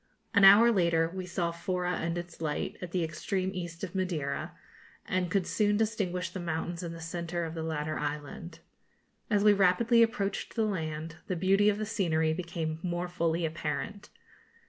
An hour later we saw Fora and its light, at the extreme east of Madeira, and could soon distinguish the mountains in the centre of the latter island. As we rapidly approached the land, the beauty of the scenery became more fully apparent.